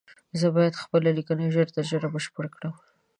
زه بايد خپله ليکنه ژر تر ژره بشپړه کړم